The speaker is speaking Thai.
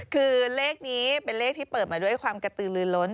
คือเลขนี้เป็นเลขที่เปิดมาด้วยความกระตือลือล้น